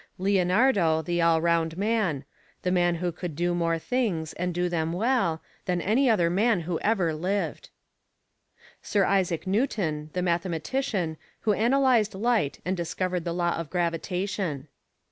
Leonardo, the all round man the man who could do more things, and do them well, than any other man who every lived. Sir Isaac Newton, the mathematician, who analyzed light and discovered the law of gravitation.